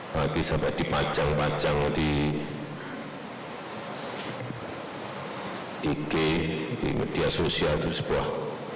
pagi sampai dipajang pajang di ig di media sosial itu sebuah